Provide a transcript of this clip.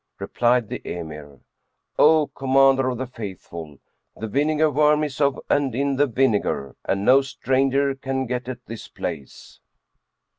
Replied the Emir, "O Commander of the Faithful, the vinegar worm is of and in the vinegar, and no stranger can get at this place."